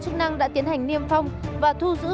chức năng đã tiến hành niêm phong và thu giữ